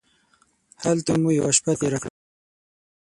هلته مو یوه شپه تېره کړه.